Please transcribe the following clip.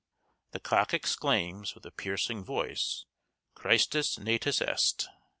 The cock exclaims, with a piercing voice, Christus natus est.